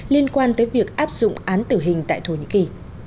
liên quan tới việc áp dụng án tử hình tại thổ nhĩ kỳ